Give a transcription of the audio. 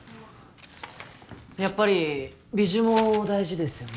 やっぱりビジュも大事ですよね